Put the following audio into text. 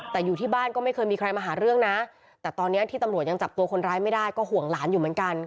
แต่อยู่ที่บ้านก็ไม่เคยมีใครมาหาเรื่องนะแต่ตอนนี้ที่ตำรวจยังจับตัวคนร้ายไม่ได้ก็ห่วงหลานอยู่เหมือนกัน